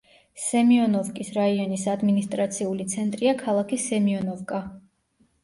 სემიონოვკის რაიონის ადმინისტრაციული ცენტრია ქალაქი სემიონოვკა.